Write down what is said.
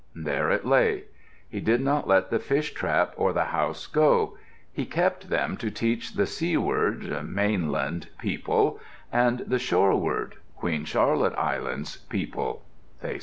There it lay. He did not let the fish trap or the house go. He kept them to teach the Seaward (mainland) people and the Shoreward (Queen Charlotte Islands) people, they say.